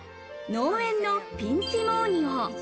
農園のピンツィモーニオ。